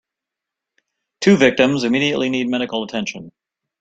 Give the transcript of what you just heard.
Two victims immediately need medical attention.